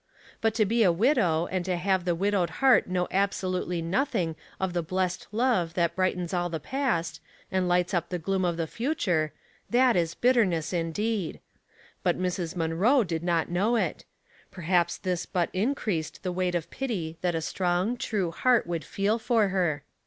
But to be a widow, and to have the widowed heart know absolutely nothing of the blessed love that bright ens all the past, and lights up the gloom of the future, that is bitterness indeed. But Mrs. Munroe did not know it ; perhaps this but in creased the weiglit of pity that a strong, true heart would feel for her.